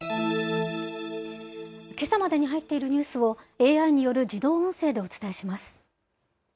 けさまでに入っているニュースを、ＡＩによる自動音声でお伝えします。